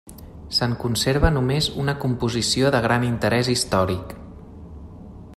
Se'n conserva només una composició de gran interès històric.